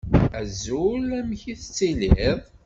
Azul. Amek i tettiliḍ?